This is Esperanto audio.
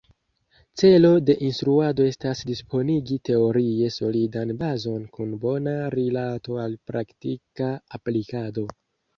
Celo de instruado estas disponigi teorie solidan bazon kun bona rilato al praktika aplikado.